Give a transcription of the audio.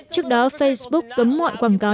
trước đó facebook cấm mọi quảng cáo